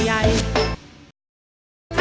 โทษให้โทษให้โทษให้